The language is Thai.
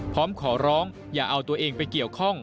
พร้อมขอร้องอย่าเอาตัวเองไปเกี่ยวข้อง